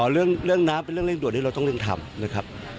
เรื่องน้ำเป็นเรื่องเร่งด่วนที่เราต้องเร่งทำนะครับ